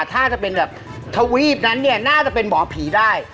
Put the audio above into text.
ถ้าจะเป็นแบบทวีปนั้นเนี่ยน่าจะเป็นหมอผีได้